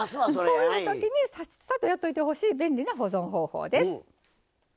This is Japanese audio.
そういう時にさっさとやっといてほしい便利な保存方法です。